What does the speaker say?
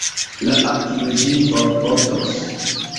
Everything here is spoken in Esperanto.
La akvo ĝin forportos.